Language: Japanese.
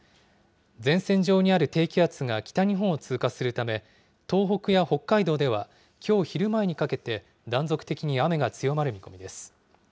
前線上にある低気圧が北日本を通過するため、東北や北海道ではきょう昼前にかけて、断続的に雨が強まる見込みです。